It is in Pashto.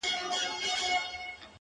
• زما د مورکۍ د الاهو ماته آشنا کلی دی -